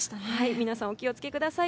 皆さんお気を付けください。